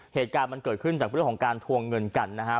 เหตุการณ์มันเกิดขึ้นจากเรื่องของการทวงเงินกันนะครับ